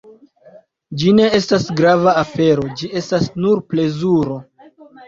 Ĝi ne estas grava afero, ĝi estas nur plezuro.